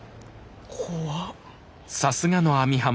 怖っ。